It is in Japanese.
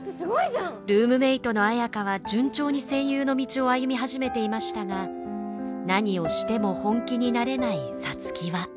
ルームメートの綾花は順調に声優の道を歩み始めていましたが何をしても本気になれない皐月は。